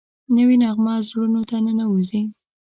نوې نغمه زړونو ته ننوځي